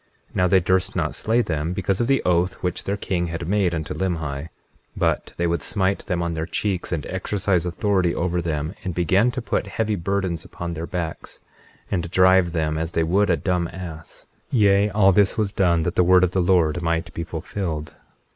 21:3 Now they durst not slay them, because of the oath which their king had made unto Limhi; but they would smite them on their cheeks, and exercise authority over them; and began to put heavy burdens upon their backs, and drive them as they would a dumb ass— 21:4 Yea, all this was done that the word of the Lord might be fulfilled.